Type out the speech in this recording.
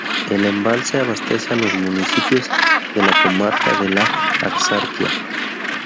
El embalse abastece a los municipios de la comarca de la Axarquía.